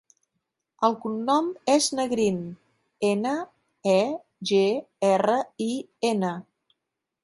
El cognom és Negrin: ena, e, ge, erra, i, ena.